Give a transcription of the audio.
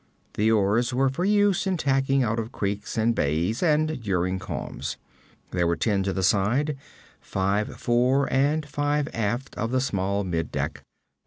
The oars were for use in tacking out of creeks and bays, and during calms. There were ten to the side, five fore and five aft of the small mid deck.